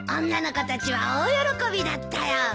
女の子たちは大喜びだったよ。